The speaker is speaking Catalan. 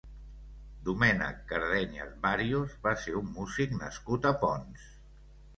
Domènec Cardenyes Bàrios va ser un músic nascut a Ponts.